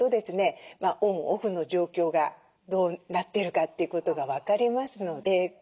オン・オフの状況がどうなっているかということが分かりますので。